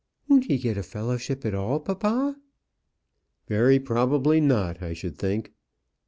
"Won't he get a fellowship at all, papa?" "Very probably not, I should think."